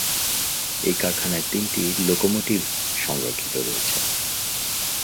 এই কারখানায় তিনটি লোকোমোটিভ সংরক্ষিত রয়েছে।